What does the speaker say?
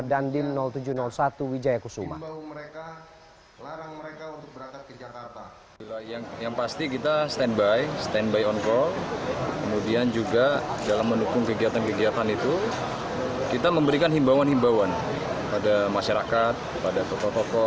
dalam mendukung kegiatan kegiatan itu kita memberikan himbauan himbauan pada masyarakat pada tokoh tokoh